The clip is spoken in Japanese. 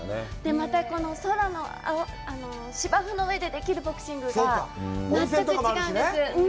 また、この空の、芝生の上でできるボクシングが、全く違うんです。